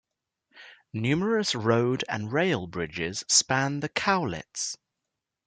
Numerous road and rail bridges span the Cowlitz.